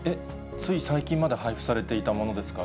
つい最近まで配布されていたものですか？